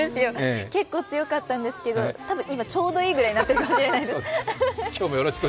結構強かったんですけど、多分、今ちょうどいいぐらいになってるかもしれない。